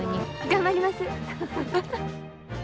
頑張ります。